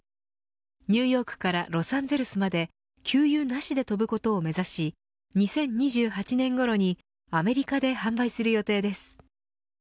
ニューヨークからロサンゼルスまで給油なしで飛ぶことを目指し２０２８年ごろにアメリカで販売する予定です。